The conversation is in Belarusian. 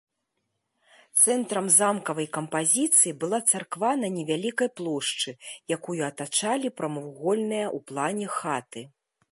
Цэнтрам замкавай кампазіцыі была царква на невялікай плошчы, якую атачалі прамавугольныя ў плане хаты.